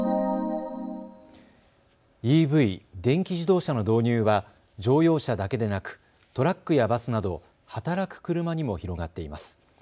ＥＶ・電気自動車の導入は乗用車だけでなくトラックやバスなど働く車にも広がっています。